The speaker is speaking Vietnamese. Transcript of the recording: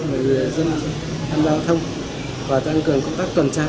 người dân tham gia giao thông và tăng cường công tác tuần tra